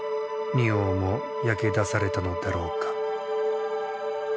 仁王も焼け出されたのだろうか。